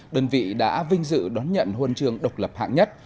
đơn vị đã vinh dự đón nhận huân trường độc lập hạng nhất